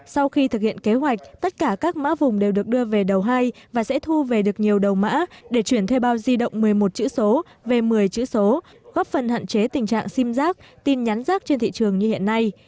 sau khi thực hiện kế hoạch tất cả các mã vùng đều được đưa về đầu hai và sẽ thu về được nhiều đầu mã để chuyển thuê bao di động một mươi một chữ số về một mươi chữ số góp phần hạn chế tình trạng sim giác tin nhắn rác trên thị trường như hiện nay